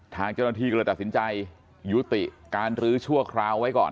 ทางเจ้าหน้าที่ก็เลยตัดสินใจยุติการรื้อชั่วคราวไว้ก่อน